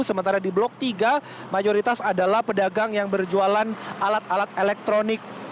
sementara di blok tiga mayoritas adalah pedagang yang berjualan alat alat elektronik